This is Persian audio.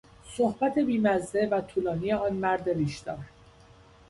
صحبت بیمزه و طولانی آن مرد ریشدار